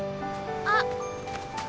あっ。